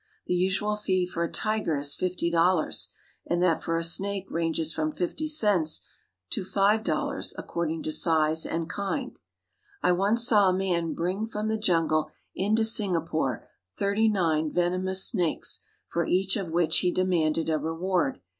The usual fee for a tiger is fifty dollars, and that for a snake ranges from fifty cents to five dollars according to size and the kind. I once saw a man bring from the jungle into Singa pore thirty nine venomous snakes, for each of which he demanded a reward.